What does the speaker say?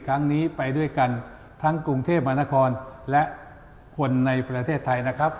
ครั้งนี้ไปด้วยกันทั้งกรุงเทพมหานครและคนในประเทศไทยนะครับ